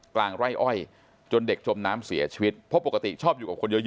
กลางไร่อ้อย